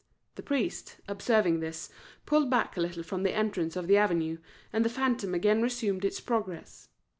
The priest, observing this, pulled back a little from the entrance of the avenue, and the phantom again resumed its progress.